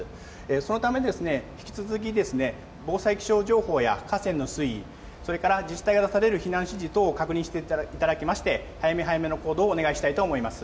そのため、引き続き、防災気象情報や河川の水位、それから自治体が出される避難指示等を確認していただきまして、早め早めの行動をお願いしたいと思います。